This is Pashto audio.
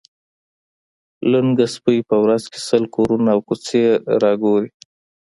لنګه سپۍ په ورځ کې سل کورونه او کوڅې را ګوري.